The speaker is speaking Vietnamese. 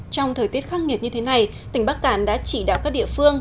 trong thời tiết khắc nghiệt như thế này tỉnh bắc cạn đã chỉ đạo các địa phương